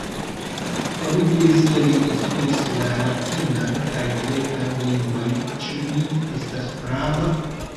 Oni diris ke li instruis la Ratinan kaj Blekan lingvojn. Ĉu mi estas prava?